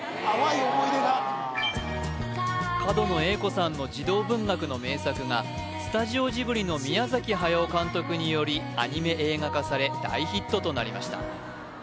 角野栄子さんの児童文学の名作がスタジオジブリの宮崎駿監督によりアニメ映画化され大ヒットとなりました